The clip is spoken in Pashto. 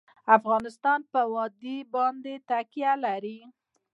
افغانستان په وادي باندې تکیه لري.